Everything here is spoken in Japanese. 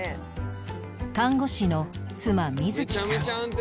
看護師の妻みずきさん